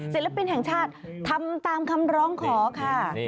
ศิลปินแห่งชาติทำตามคำร้องขอค่ะ